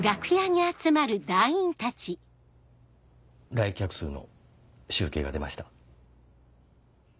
来客数の集計が出ました。